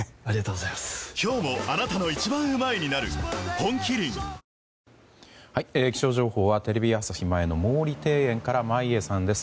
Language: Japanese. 本麒麟気象情報はテレビ朝日前の毛利庭園から眞家さんです。